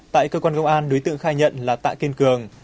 tại cơ quan công an đối tượng khai nhận là tạ kiên cường